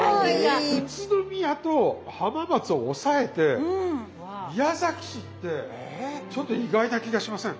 宇都宮と浜松を抑えて宮崎市ってちょっと意外な気がしません？